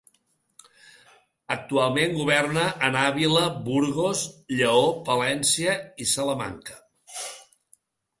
Actualment governa en Àvila, Burgos, Lleó, Palència i Salamanca.